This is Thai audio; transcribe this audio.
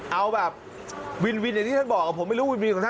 เอาแบบวินอย่างที่เธอบอกผมไม่รู้วินของเธอ